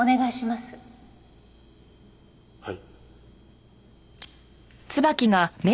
はい。